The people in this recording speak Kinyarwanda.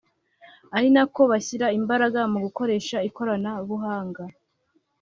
ari nako bashyira imbaraga mu gukoresha ikoranabuhanga